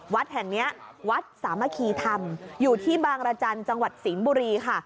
วัดแห่งนี้วัดสามัคคีธรรมอยู่ที่บางรจันทร์จังหวัดสิงห์บุรีค่ะ